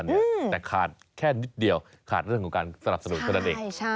แต่ขาดแค่นิดเดียวขาดเรื่องของการสนับสนุนของเด็ก